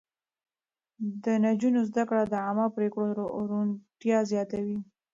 د نجونو زده کړه د عامه پرېکړو روڼتيا زياتوي.